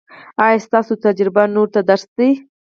ایا ستاسو تجربه نورو ته درس دی؟